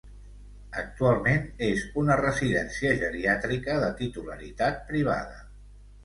Actualment és una residència geriàtrica de titularitat privada.